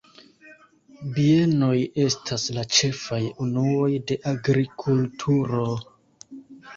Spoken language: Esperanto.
Bienoj estas la ĉefaj unuoj de agrikulturo.